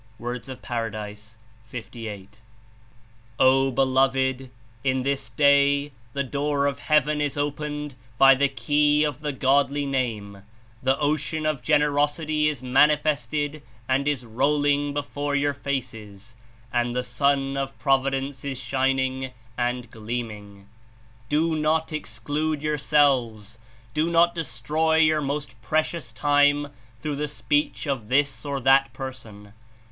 (W. of P. ^8.) "O beloved! In this day the door of heaven Is opened by the key of the Godly Name, the ocean of Generosity Is manifested and Is rolling before your faces, and the Sun of Providence Is shining and gleaming; do not exclude yourselves; do not destroy your most precious time through the speech of this or that person.